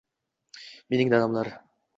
Mening dadamlar!